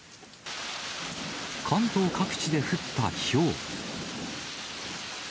関東各地で降ったひょう。